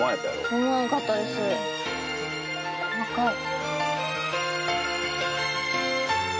細かい。